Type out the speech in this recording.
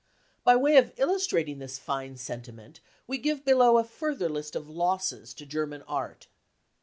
By way of illustrating this fine sentiment we give below a further list of losses to German art.